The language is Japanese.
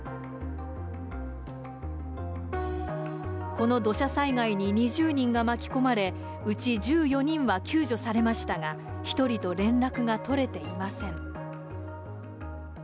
この土砂災害に２０人が巻き込まれ、うち１４人は救助されましたが、１人と連絡が取れていません。